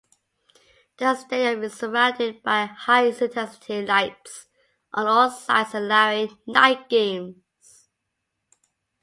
The stadium is surrounded by high-intensity lights on all sides allowing night games.